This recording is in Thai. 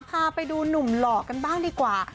พาไปดูหนุ่มหล่อกันบ้างดีกว่า